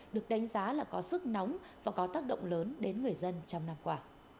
được đánh giá là có sức nóng và có tác động lớn đến người dân trong năm qua